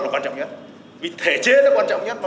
là quan trọng nhất vì thể chế nó quan trọng nhất